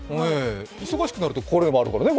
忙しくなると、これもあるからね。